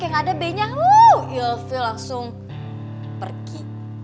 yang ada benyak yufi langsung pergi